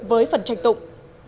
với phần tranh tụng